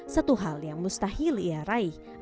satu hal yang mustahil ia raih